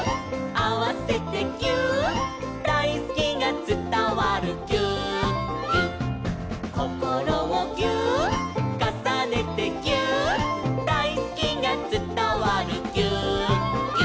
「あわせてぎゅーっ」「だいすきがつたわるぎゅーっぎゅっ」「こころをぎゅーっ」「かさねてぎゅーっ」「だいすきがつたわるぎゅーっぎゅっ」